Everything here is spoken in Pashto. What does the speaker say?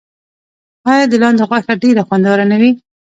آیا د لاندي غوښه ډیره خوندوره نه وي؟